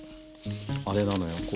あれなのよ